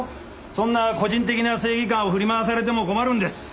そんな個人的な正義感を振り回されても困るんです。